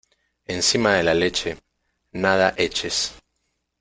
Encima de la leche, nada eches.